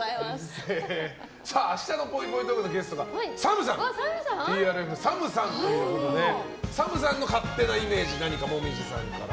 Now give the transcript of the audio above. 明日のぽいぽいトークのゲストがＴＲＦのＳＡＭさんということでＳＡＭさんの勝手なイメージ何か紅葉さんから。